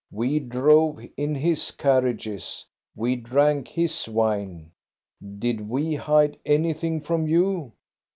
We drove in his carriages, we drank his wine. Did we hide anything from you.?